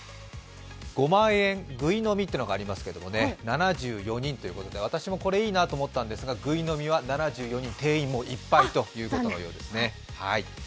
５万円、ぐい呑みというのがありますけど、７４人ということで私もこれいいなと思ったんですがぐい飲みは７４人、定員もういっぱいということのようですね。